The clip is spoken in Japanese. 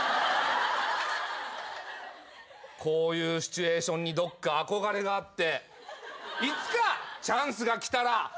こういうシチュエーションにどっか憧れがあっていつかチャンスが来たらガシャーン！